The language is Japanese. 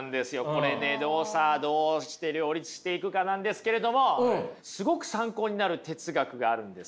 これねどうして両立していくかなんですけれどもすごく参考になる哲学があるんですよ。